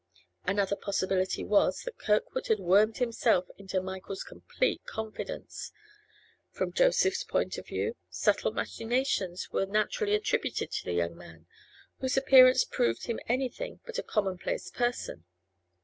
Another possibility was that Kirkwood had wormed himself into Michael's complete confidence. From Joseph's point of view, subtle machinations were naturally attributed to the young man—whose appearance proved him anything but a commonplace person.